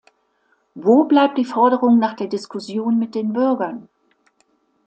Wo bleibt die Forderung nach der Diskussion mit den Bürgern?